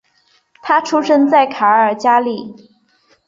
他出生在卡尔加里。